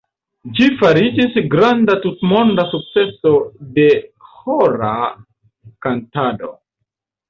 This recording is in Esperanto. Ĝi fariĝis granda tutmonda sukceso de ĥora kantado.